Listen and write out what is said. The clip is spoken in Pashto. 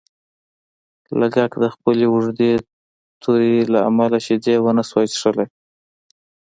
لګلګ د خپلې اوږدې تورې له امله شیدې ونشوای څښلی.